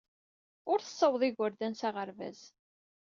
Ur tessawḍeḍ igerdan s aɣerbaz.